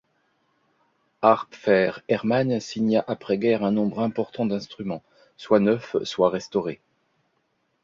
Haerpfer-Erman signa après guerre un nombre important d'instruments, soit neufs, soit restaurés.